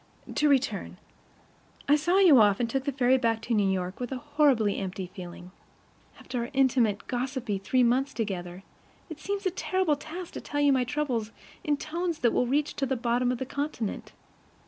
To return: I saw you off, and took the ferry back to New York with a horribly empty feeling. After our intimate, gossipy three months together, it seems a terrible task to tell you my troubles in tones that will reach to the bottom of the continent.